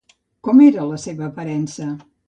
Com era la seva aparença?